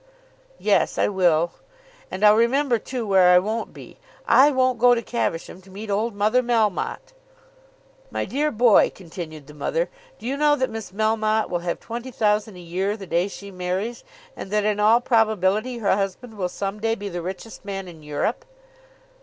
"Yes I will; and I'll remember too where I won't be. I won't go to Caversham to meet old mother Melmotte." "My dear boy," continued the mother, "do you know that Miss Melmotte will have twenty thousand a year the day she marries; and that in all probability her husband will some day be the richest man in Europe?"